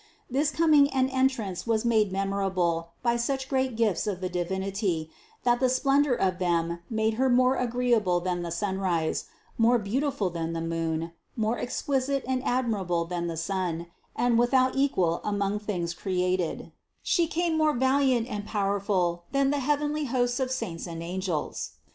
This coming and entrance was made memorable by such great gifts of the Divinity, that the splendor of them made Her more agreeable than the sunrise, more THE CONCEPTION 205 beautiful than the moon, more exquisite and admirable than the sun, and without equal among things created; She came more valiant and powerful than the heavenly hosts of saints and angels.